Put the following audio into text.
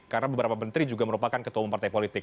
karena beberapa menteri juga merupakan ketua umum partai politik